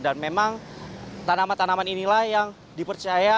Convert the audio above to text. dan memang tanaman tanaman inilah yang dipercaya